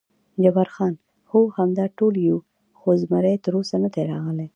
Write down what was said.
جبار خان: هو، همدا ټول یو، خو زمري تراوسه نه دی راغلی.